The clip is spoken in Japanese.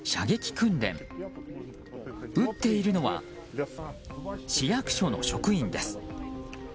撃っているのは市役所の職員です。